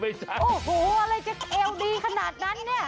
โอ้โหอะไรจะเอวดีขนาดนั้นเนี่ย